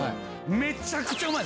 めちゃくちゃうまい！